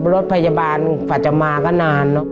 รถพยาบาลปัจจังมาก็นาน